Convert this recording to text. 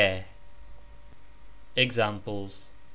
EXAMPLES.